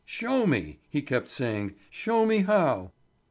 "Show me," he kept saying. "Show me how."